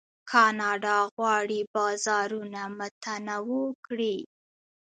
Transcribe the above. کاناډا غواړي بازارونه متنوع کړي.